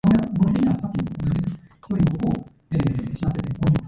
They developed new logos and advertised themselves as a community outreach group.